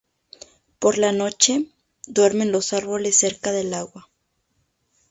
Por la noche, duermen en árboles cerca del agua.